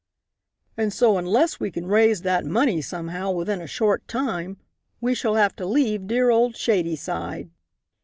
"And so unless we can raise that money somehow within a short time we shall have to leave dear old Shadyside!"